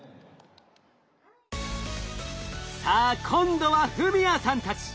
さあ今度は史哉さんたち。